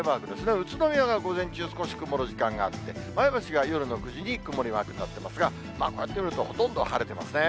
宇都宮が午前中、少し曇る時間があって、前橋が夜の９時に曇りマークになってますが、こうやって見ると、ほとんど晴れてますね。